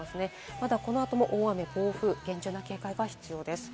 まだ、この後も大雨、暴風、厳重な警戒が必要です。